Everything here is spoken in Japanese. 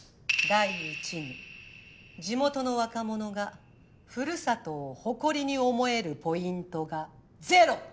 第一に地元の若者がふるさとを誇りに思えるポイントがゼロ。